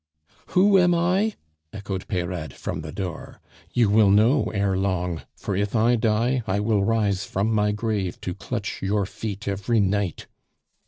"Who am I?" echoed Peyrade from the door. "You will know ere long; for if I die, I will rise from my grave to clutch your feet every night!"